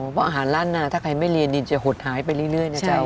เพราะอาหารล้านนาถ้าใครไม่เรียนดินจะหดหายไปเรื่อยนะเจ้า